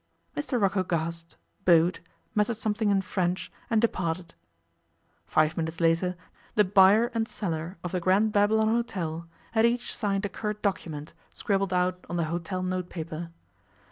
Mr Rocco gasped, bowed, muttered something in French, and departed. Five minutes later the buyer and seller of the Grand Babylon Hôtel had each signed a curt document, scribbled out on the hotel note paper.